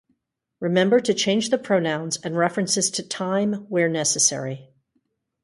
Remember to change the pronouns and references to time where necessary.